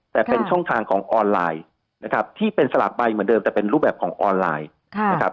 แต่เป็นช่องทางของออนไลน์นะครับที่เป็นสลากใบเหมือนเดิมแต่เป็นรูปแบบของออนไลน์นะครับ